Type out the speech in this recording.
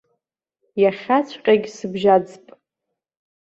Иахьаҵәҟьагь сыбжьаӡп.